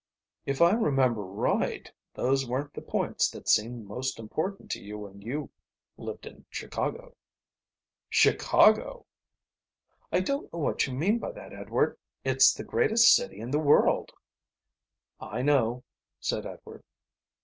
"If I remember right those weren't the points that seemed most important to you when you lived in Chicago." "Chicago!" "I don't know what you mean by that, Edward. It's the greatest city in the world." "I know," said Edward.